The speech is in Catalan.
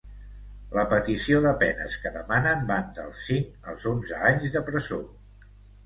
La petició de penes que demanen van dels cinc als onze anys de presó.